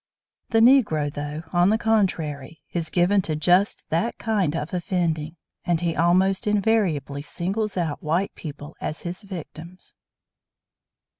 The Negro tough, on the contrary, is given to just that kind of offending, and he almost invariably singles out white people as his victims.